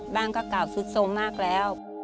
บ้านก็เก่าสุดสมมากแล้ว